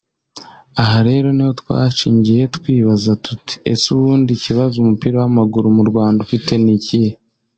Aha rero niho twashingiye twibaza tuti ese ubundi ikibazo umupira w’amaguru mu Rwanda ufite ni ikihe